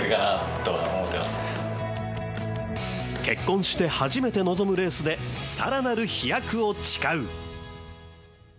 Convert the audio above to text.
結婚して初めて臨むレースでさらなる飛躍を誓う。